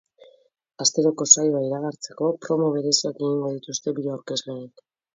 Asteroko saioa iragartzeko, promo bereziak egingo dituzte bi aurkezleek.